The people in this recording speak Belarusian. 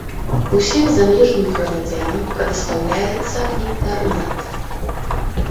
Усім замежным грамадзянам прадастаўляецца інтэрнат.